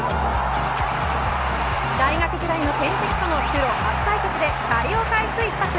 大学時代の天敵とのプロ初対決で借りを返す一発。